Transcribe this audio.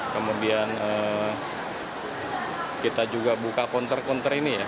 kemudian kita juga buka kontor kontor ini ya